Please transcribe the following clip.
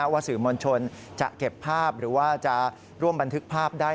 ว่าสื่อมวลชนจะเก็บภาพหรือว่าจะร่วมบันทึกภาพได้